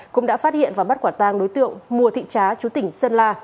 cũng đã phát hiện và bắt quả tang đối tượng mùa thị trá chú tỉnh sơn la